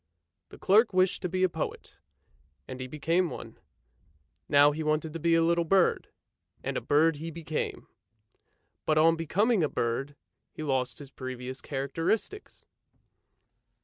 The clerk wished to be a poet, and he became one; now he wanted to be a THE GOLOSHES OF FORTUNE 327 little bird, and a bird he became; but on becoming a bird he lost his previous characteristics.